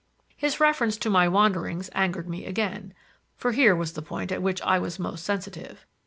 His reference to my wanderings angered me again; for here was the point at which I was most sensitive.